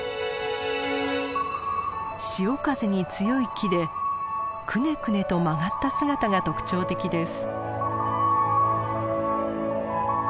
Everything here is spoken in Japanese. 潮風に強い木でくねくねと曲がった姿が特徴的です。